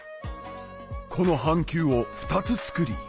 この半球を２つ作り